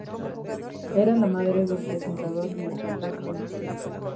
Era la madre del presentador y escritor Toni Soler.